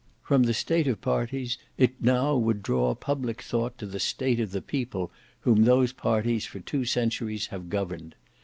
From the state of Parties it now would draw public thought to the state of the People whom those parties for two centuries have governed.